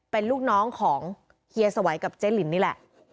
เป็นลูกน้องของเฮียสวัยกับเจ๊ลินนี่แหละ